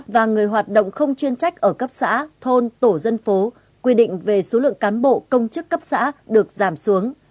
và người hoạt động không chuyên trách ở cấp xã thôn tổ dân phố quy định về số lượng cán bộ công chức cấp xã được giảm xuống